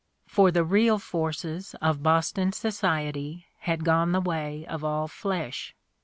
For the real forces of Boston society had gone the way of all flesh.